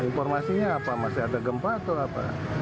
informasinya apa masih ada gempa atau apa